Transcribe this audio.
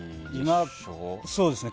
今、そうですね。